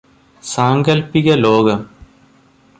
സാങ്കല്പിക ലോകം